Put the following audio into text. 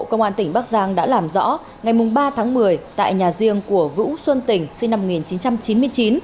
công an tỉnh bắc giang đã làm rõ ngày ba tháng một mươi tại nhà riêng của vũ xuân tỉnh sinh năm một nghìn chín trăm chín mươi chín